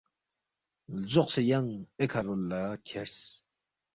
لزوقسے ینگ ایکھہ رول لہ کھیرس